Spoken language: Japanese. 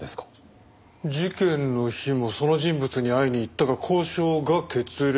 事件の日もその人物に会いに行ったが交渉が決裂。